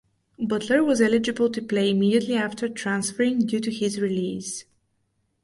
Butler was eligible to play immediately after transferring due to his release.